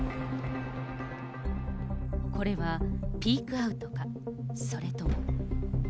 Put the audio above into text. これはピークアウトか、それとも。